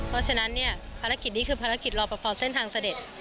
เพราะฉะนั้นเนี่ยภารกิจนี้คือภารกิจรอปภเส้นทางเสด็จ